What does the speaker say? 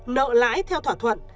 nợ lãi theo thỏa thuận